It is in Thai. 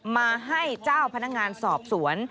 มาให้เจ้าพนักงานสอบสวน